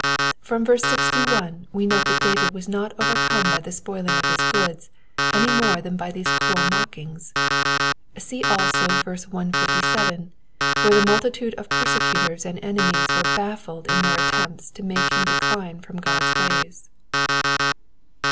From verse 61 we note that David was not overcome by the spoiling of his goods any more than by these cruel mockings. See also verse 157, where the multitude of persecutors and enemies were baffled in their attempts to make him decline from God^s ways.